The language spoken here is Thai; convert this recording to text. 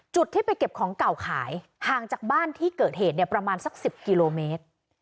จุดที่ไปเก็บของเก่าขายห่างจากบ้านที่เกิดเหตุเนี่ยประมาณสัก๑๐กิโลเมตร